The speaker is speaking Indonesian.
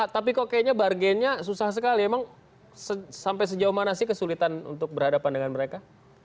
tapi kok kayaknya bargainnya susah sekali emang sampai sejauh mana sih kesulitan untuk berhadapan dengan mereka